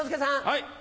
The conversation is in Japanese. はい！